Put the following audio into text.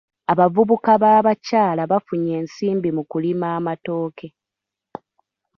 Abavubuka b'abakyala bafunye ensimbi mu kulima amatooke.